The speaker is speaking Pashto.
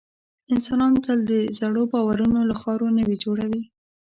انسانان تل د زړو باورونو له خاورو نوي جوړوي.